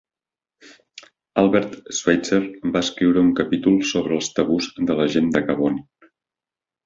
Albert Schweitzer va escriure un capítol sobre els tabús de la gent de Gabon.